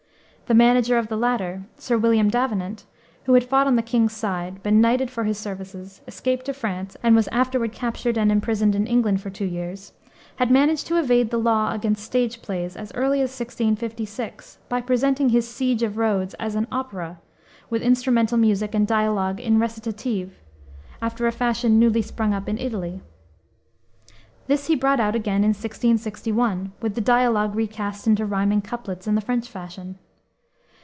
The manager of the latter, Sir William Davenant who had fought on the king's side, been knighted for his services, escaped to France, and was afterward captured and imprisoned in England for two years had managed to evade the law against stage plays as early as 1656, by presenting his Siege of Rhodes as an "opera," with instrumental music and dialogue in recitative, after a fashion newly sprung up in Italy. This he brought out again in 1661, with the dialogue recast into riming couplets in the French fashion.